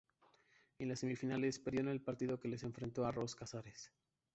En las semifinales, perdió en el partido que les enfrentó al Ros Casares.